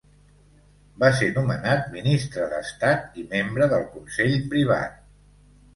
Va ser nomenat Ministre d'Estat i membre del Consell Privat.